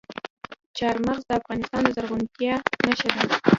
چار مغز د افغانستان د زرغونتیا نښه ده.